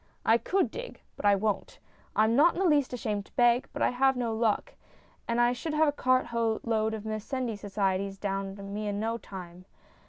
I could dig, but I won't ; I am not in the least ashamed to beg, but I have no luck, and I should have a cart load of Mendicity Societies down on me in no time.